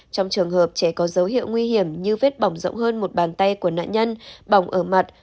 trong trường hợp trẻ có dấu hiệu nguy hiểm như vết bỏng rộng hơn một bàn tay của nạn nhân bỏng ở mặt